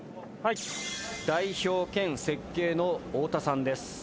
代表兼設計の太田さんです。